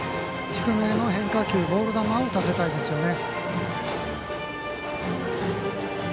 低めの変化球、ボール球を打たせたいですね。